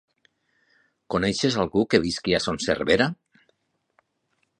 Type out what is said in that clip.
Coneixes algú que visqui a Son Servera?